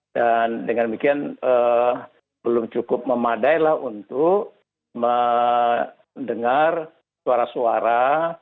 dan dengan demikian belum cukup memadai lah untuk mendengar suara suara